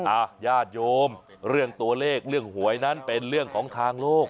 อ่ะญาติโยมเรื่องตัวเลขเรื่องหวยนั้นเป็นเรื่องของทางโลก